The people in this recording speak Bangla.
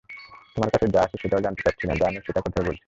তোমার কাছে যা আছে সেটা জানতে চাচ্ছি না, যা নেই সেটার কথা বলছি।